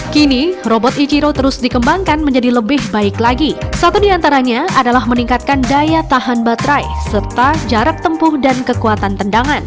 kini robot ichiro terus dikembangkan menjadi lebih baik lagi satu diantaranya adalah meningkatkan daya tahan baterai serta jarak tempuh dan kekuatan tendangan